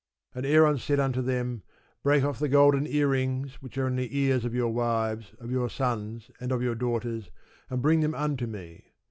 And Aaron said unto them, Break off the golden earrings, which are in the ears of your wives, of your sons, and of your daughters, and bring them unto me.